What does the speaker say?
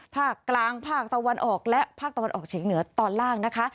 ภาคกลางภาคตะวันออกและภาคตะวันออกเฉียงเหนือตอนล่างนะคะ